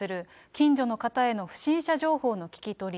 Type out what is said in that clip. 近所の方への不審者情報の聞き取り。